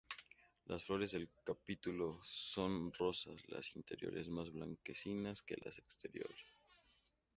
Las flores del capítulo son rosas, las interiores más blanquecinas que las del exterior.